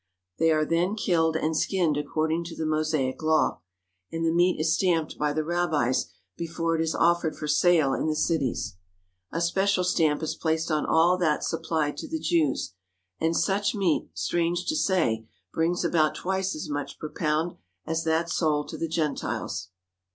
They are then killed and skinned according to the Mosaic law, and the meat is stamped by the rabbis before it is offered for sale in the cities. A special stamp is placed on all that supplied to the Jews, and such meat, strange to say, brings about twice as much per pound as that sold to the Gentiles.